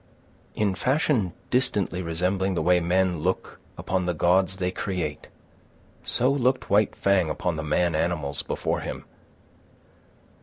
In fashion distantly resembling the way men look upon the gods they create, so looked White Fang upon the man animals before him.